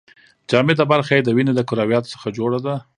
جامده برخه یې د وینې د کرویاتو څخه جوړه ده.